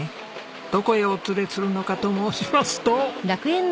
どこへお連れするのかと申しますと。